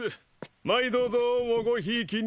毎度どうもごひいきに。